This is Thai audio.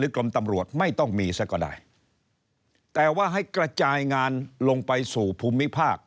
กรมตำรวจไม่ต้องมีซะก็ได้แต่ว่าให้กระจายงานลงไปสู่ภูมิภาค